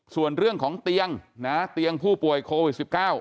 ส่วนเรื่องของเตียงเตียงผู้ป่วยโควิด๑๙